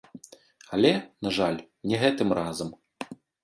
Але, на жаль, не гэтым разам!